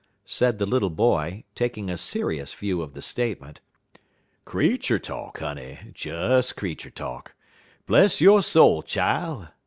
said the little boy, taking a serious view of the statement. "Creetur talk, honey des creetur talk. Bless yo' soul, chile!"